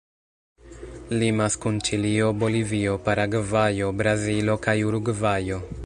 Limas kun Ĉilio, Bolivio, Paragvajo, Brazilo kaj Urugvajo.